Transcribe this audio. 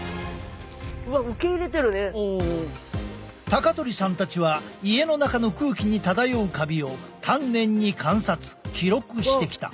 高鳥さんたちは家の中の空気に漂うカビを丹念に観察記録してきた。